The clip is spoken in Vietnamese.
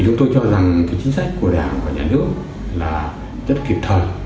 chúng tôi cho rằng chính sách của đảng và nhà nước là rất kịp thời